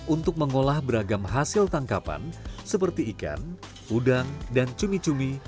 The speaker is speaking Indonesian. untuk mengolah beragam hasil tangkapan seperti ikan udang dan cumi cumi